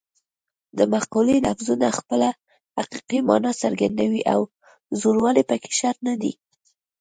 د مقولې لفظونه خپله حقیقي مانا څرګندوي او زوړوالی پکې شرط نه دی